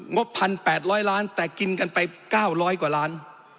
งบพันแปดร้อยล้านแต่กินกันไปเก้าร้อยกว่าร้าน